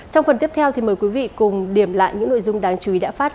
trong phần tiếp theo thì mời quý vị cùng điểm lại những nội dung đáng chú ý đã phát